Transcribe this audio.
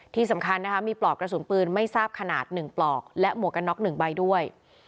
ที่สำคัญมีปลอกกระสุนปืนไม่ทราบขนาดหนึ่งปลอกและหมวกันน็อกหนึ่งใบด้วย